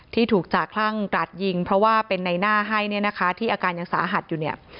ที่ถูกจ่าคลั่งกราดยิงเพราะว่าเป็นในหน้าให้เนี่ยนะคะที่อาการยังสาหัสอยู่เนี่ย